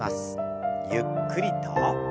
ゆっくりと。